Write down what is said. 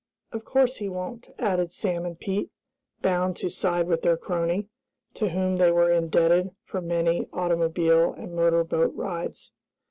"Of course he won't!" added Sam and Pete, bound to side with their crony, to whom they were indebted for many automobile and motor boat rides.